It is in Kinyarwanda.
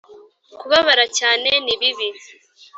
kubabara cyane ni bibi